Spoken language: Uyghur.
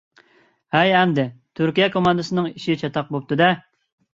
ھەي، ئەمدى تۈركىيە كوماندىسىنىڭ ئىشى چاتاق بولۇپتۇ-دە!